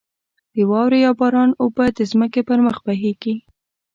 د واورې یا باران اوبه د ځمکې پر مخ بهېږې.